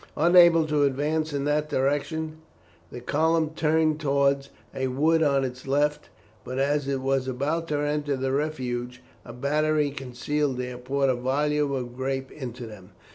Unable to advance in that direction the column turned towards a wood on its left, but as it was about to enter the refuge, a battery concealed there poured a volley of grape into them.